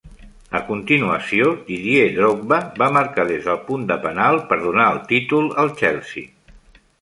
A continuació, Didier Drogba va marcar des del punt de penal per donar el títol al Chelsea.